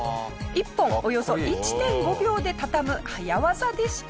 １本およそ１．５秒で畳む早技でした。